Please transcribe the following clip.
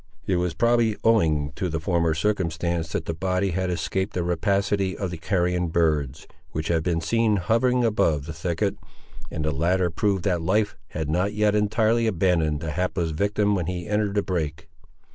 It was most probably owing to the former circumstance that the body had escaped the rapacity of the carrion birds, which had been seen hovering above the thicket, and the latter proved that life had not yet entirely abandoned the hapless victim when he entered the brake.